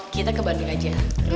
kita ke bandung aja